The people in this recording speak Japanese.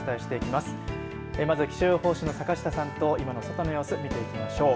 まずは気象予報士の坂下さんと外の様子を見ていきましょう。